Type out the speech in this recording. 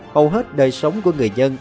hầu hết đời sống của người dân